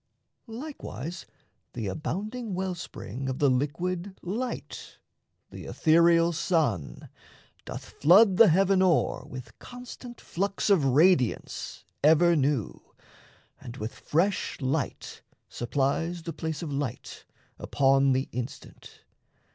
Likewise, The abounding well spring of the liquid light, The ethereal sun, doth flood the heaven o'er With constant flux of radiance ever new, And with fresh light supplies the place of light, Upon the instant.